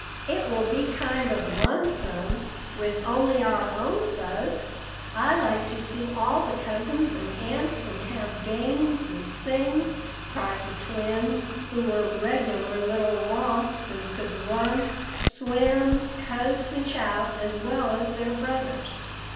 "It will be kind of lonesome with only our own folks." "I like to see all the cousins and aunts, and have games, and sing," cried the twins, who were regular little romps, and could run, swim, coast and shout as well as their brothers.